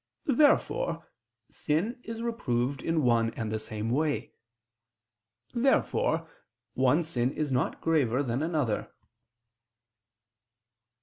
Therefore sin is reproved in one and the same way. Therefore one sin is not graver than another.